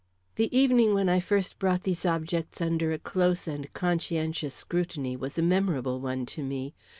The evening when I first brought these objects under a close and conscientious scrutiny, was a memorable one to me.